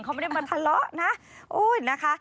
เขาไม่ได้มาทะเลาะนะโอ้ยนะคะ